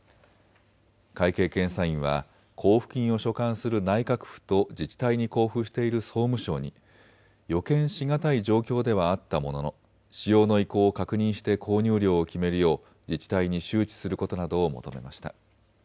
会計検査院は交付金を所管する内閣府と自治体に交付している総務省に予見し難い状況ではあったものの使用の意向を確認して購入量を決めるよう自治体に周知することなどを求めました。